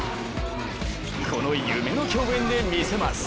この夢の競演で見せます。